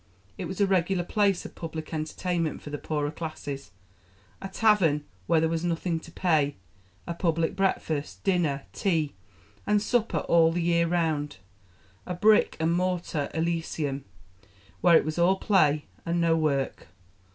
It was a regular place of public entertainment for the poorer classes; a tavern where there was nothing to pay; a public breakfast, dinner, tea, and supper all the year round; a brick and mortar elysium, where it was all play and no work.